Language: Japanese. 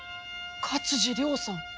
勝地涼さん！